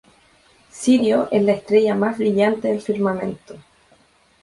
Sirio es la estrella más brillante del firmamento.